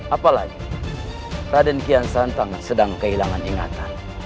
apalagi raden kian santang sedang kehilangan ingatan